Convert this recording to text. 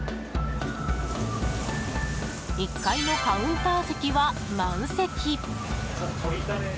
１階のカウンター席は、満席。